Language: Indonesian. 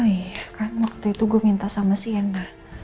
iya kan waktu itu gue minta sama sienna